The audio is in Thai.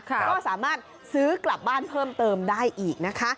ก็สามารถซื้อกลับบ้านเพิ่มเติมได้อีกนะคะ